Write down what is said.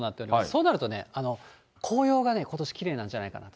そうなるとね、紅葉がことし、きれいになるんじゃないかな。